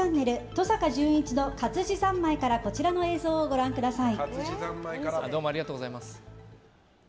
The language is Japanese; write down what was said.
「登坂淳一の活字三昧」からこちらの映像をご覧ください。